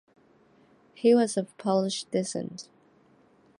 He was of Polish descent.